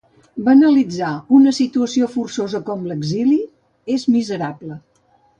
Banalitzar una situació forçosa com l'exili és miserable.